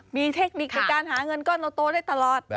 มีเทคนิคในการหาเงินก้อนโตได้ตลอด